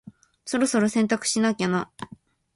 そろそろ洗濯しなきゃな。